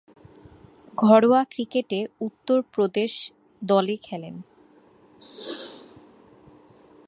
ঘরোয়া ক্রিকেটে উত্তর প্রদেশ দলে খেলেন।